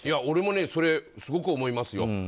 俺も、それすごく思いますよ。